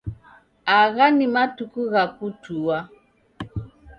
Agha ni matuku gha kutua